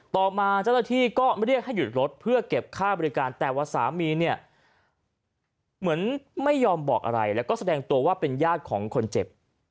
ต่อมาเจ้าหน้าที่ก็เรียกให้หยุดรถเพื่อเก็บค่าบริการแต่ว่าสามีเนี่ยเหมือนไม่ยอมบอกอะไรแล้วก็แสดงตัวว่าเป็นญาติของคนเจ็บ